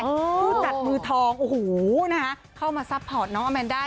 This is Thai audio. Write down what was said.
ผู้จัดมือทองโอ้โหนะคะเข้ามาซัพพอร์ตน้องอาแมนด้า